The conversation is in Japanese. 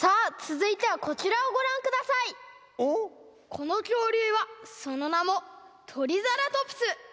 このきょうりゅうはそのなもトリザラトプス！